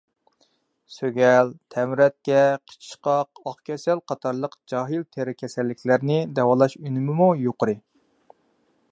سۆگەل، تەمرەتكە، قىچىشقاق، ئاق كېسەل قاتارلىق جاھىل تېرە كېسەللىكلەرنى داۋالاش ئۈنۈمىمۇ يۇقىرى.